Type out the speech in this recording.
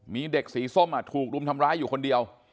มีเด็กสีส้มถูกรุมทำร้ายอยู่คนเดียว